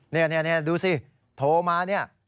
นี่นี่นี่ดูสิโทรมานี่